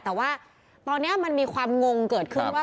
แต่ว่าตอนนี้มันมีความงงเกิดขึ้นว่า